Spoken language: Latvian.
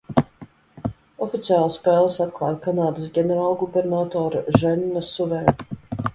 Oficiāli spēles atklāja Kanādas ģenerālgubernatore Ženna Suvē.